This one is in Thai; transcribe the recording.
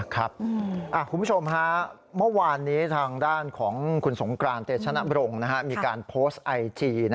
คุณผู้ชมฮะเมื่อวานนี้ทางด้านของคุณสงกรานเตชนบรงมีการโพสต์ไอจี